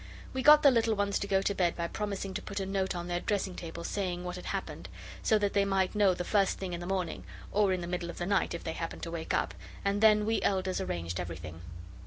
We got the little ones to go to bed by promising to put a note on their dressing table saying what had happened, so that they might know the first thing in the morning, or in the middle of the night if they happened to wake up, and then we elders arranged everything.